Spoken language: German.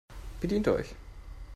Bedient euch!